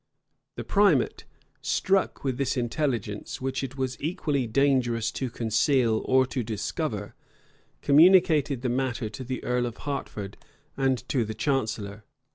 The primate, struck with this intelligence, which it was equally dangerous to conceal or to discover, communicated the matter to the earl of Hertford and to the chancellor.